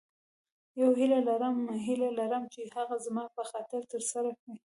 یوه هیله لرم هیله لرم چې هغه زما په خاطر تر سره کړې.